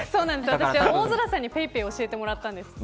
私、大空さんにＰａｙＰａｙ教えてもらったんです。